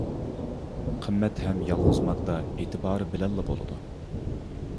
قىممەت ھەم يالغۇز ماددا ئېتىبارى بىلەنلا بولىدۇ.